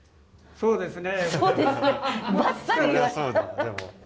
そうですね